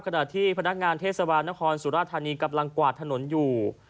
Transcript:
ขณะที่พนักงานเทศบาลนครสุราธานีกำลังกวาดถนนอยู่